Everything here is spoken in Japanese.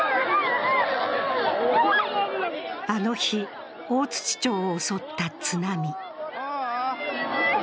あの日、大槌町を襲った津波。